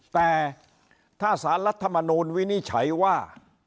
แต่ถ้าสารรัฐมนูลวินิจฉัยว่า